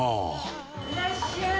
いらっしゃい。